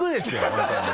本当に。